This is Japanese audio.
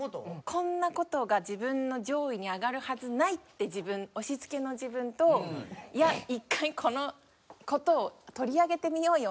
「こんな事が自分の上位に上がるはずない」って自分押しつけの自分と「いや１回この事を取り上げてみようよ